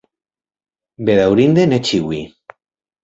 Bedaŭrinde ne ĉiuj.